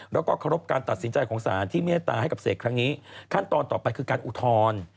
แล้วก็เคารพการตัดสินใจของสารที่เมตตาให้กับเสกครั้งนี้ขั้นตอนต่อไปคือการอุทธรณ์